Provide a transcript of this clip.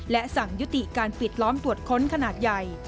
และสั่งยุติการปิดล้อมตรวจค้นขนาดใหญ่